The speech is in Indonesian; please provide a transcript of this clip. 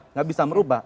nggak bisa merubah